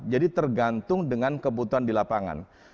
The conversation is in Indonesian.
jadi tergantung dengan kebutuhan di lapangan